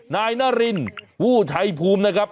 นายนารินวู้ชัยภูมินะครับ